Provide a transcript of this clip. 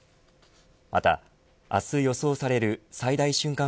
また、明日予想される最大瞬間